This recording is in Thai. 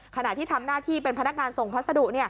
ขณะที่ทำหน้าที่เป็นพนักงานส่งพัสดุ